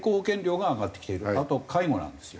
あと介護なんですよ。